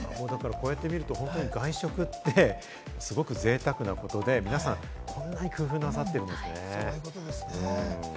こうやってみると外食ってすごく贅沢なことで、皆さん、こんなに工夫なさってるんですね。